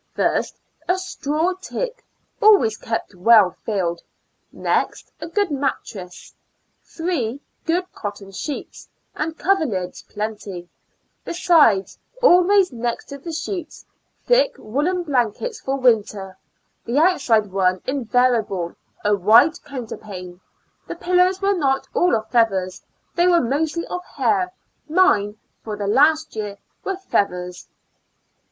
First, a straw tick, always kept well filled; next, a good Ili A L UNA TIG A STL UM. \^\ mattrass, three good cotton sheets and coverlids plenty, besides always next to the sheets, thick woollen blankets for winter; the outside one invariable a white counter pane; the pillows were not all of feathers; they were mostly of hair; mine, for the last year, were feathers.